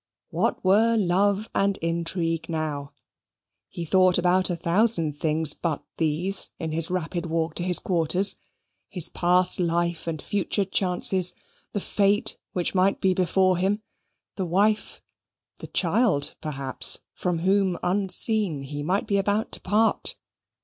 What were love and intrigue now? He thought about a thousand things but these in his rapid walk to his quarters his past life and future chances the fate which might be before him the wife, the child perhaps, from whom unseen he might be about to part.